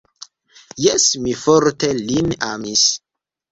Jes, mi forte lin amis.